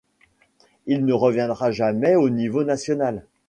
Il ne reviendra jamais au niveau national.